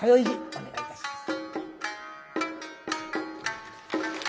お願いいたします。